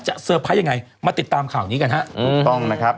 เซอร์ไพรส์ยังไงมาติดตามข่าวนี้กันฮะถูกต้องนะครับ